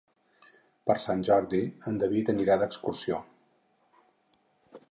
Per Sant Jordi en David anirà d'excursió.